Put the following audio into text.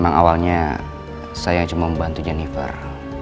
memang awalnya saya cuma membantu jennifer